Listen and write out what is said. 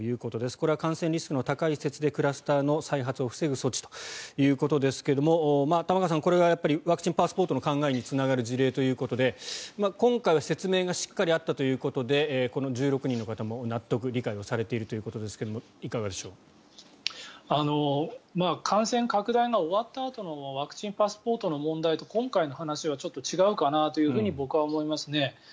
これは感染リスクの高い施設でクラスターの再発を防ぐ措置ということですが玉川さん、これがワクチンパスポートの考えにつながる事例ということで今回は説明がしっかりあったということでこの１６人の方も納得、理解をされているということですが感染拡大が終わったあとのワクチンパスポートの問題と今回の話はちょっと違うかなと僕は思いますね。